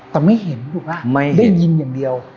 แต่ไม่เห็นถูกป่ะไม่ได้ยินอย่างเดียว